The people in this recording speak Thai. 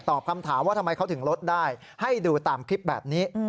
คำถามว่าทำไมเขาถึงลดได้ให้ดูตามคลิปแบบนี้